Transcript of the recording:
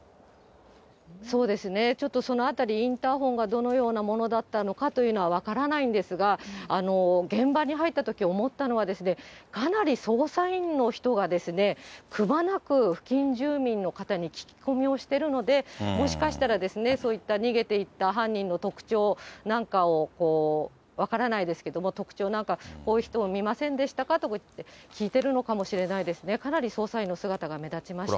そうですね、ちょっとそのあたり、インターホンがどのようなものだったのかというのは分からないといったが、現場に入ったとき思ったのは、かなり捜査員の人が、くまなく付近住民の方に聞き込みをしてるので、もしかしたらですね、そういった逃げていった犯人の特徴なんかを分からないですけども、特徴なんか、こういう人を見ませんでしたかとか、聞いてるのかもしれないですね、かなり捜査員の姿が目立ちました。